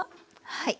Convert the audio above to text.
はい。